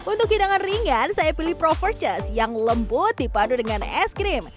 untuk hidangan ringan saya pilih projes yang lembut dipadu dengan es krim